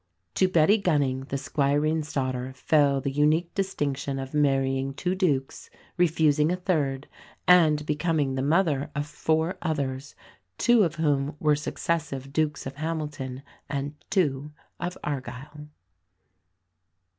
To Betty Gunning, the squireen's daughter, fell the unique distinction of marrying two dukes, refusing a third, and becoming the mother of four others, two of whom were successive Dukes of Hamilton, and two of Argyll.